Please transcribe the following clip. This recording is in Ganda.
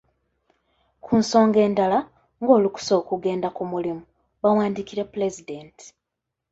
Ku nsonga endala ng'olukusa okugenda ku mulimu bawandiikire Pulezidenti.